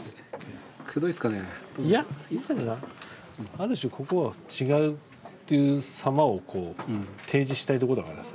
ある種ここは違うっていうさまをこう提示したいとこだからさ。